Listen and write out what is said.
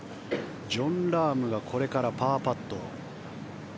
ジョン・ラームがこれからパーパット。